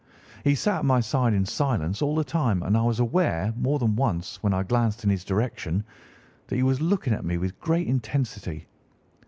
He sat at my side in silence all the time, and I was aware, more than once when I glanced in his direction, that he was looking at me with great intensity.